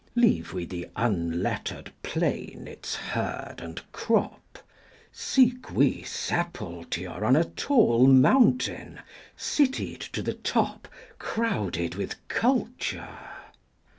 Leave we the unlettered plain its herd and crop; Seek we sepulture On a tall mountain, citied to the top, 15 Crowded with culture!